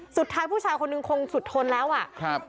ผู้ชายคนหนึ่งคงสุดทนแล้วอ่ะครับ